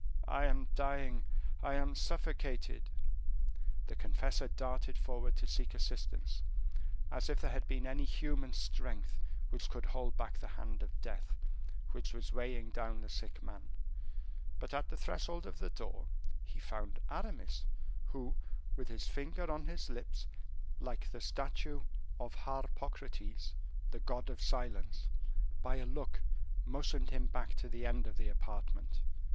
I am dying. I am suffocated." The confessor darted forward to seek assistance, as if there had been any human strength which could hold back the hand of death, which was weighing down the sick man; but, at the threshold of the door, he found Aramis, who, with his finger on his lips, like the statue of Harpocrates, the god of silence, by a look motioned him back to the end of the apartment.